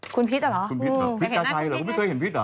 คุณพิษเหรออยากเห็นหน้าคุณพิษเหรอเขาไม่เคยเห็นพิษเหรอ